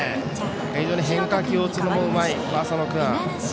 非常に変化球を打つのもうまい浅野君。